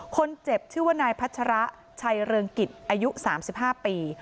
คนเจ็บชื่อว่านายพัชระชัยเริงกิจอายุ๓๕ปี